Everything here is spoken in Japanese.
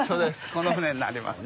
この舟になりますね。